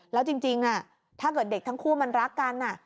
แล้วจริงถ้าเกิดเด็กทั้งคู่มันรักกัน